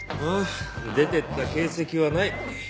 出てった形跡はない。